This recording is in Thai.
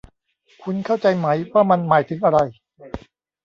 คุณเข้าใจไหมว่ามันหมายถึงอะไร